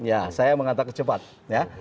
ya saya mengatakan cepat ya